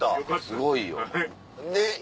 すごいよ。